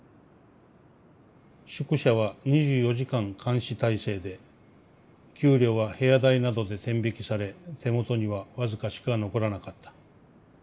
「宿舎は２４時間監視態勢で給料は部屋代などで天引きされ手元にはわずかしか残らなかった。